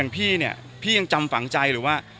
พี่เนี่ยพี่ยังจำฝังใจหรือว่า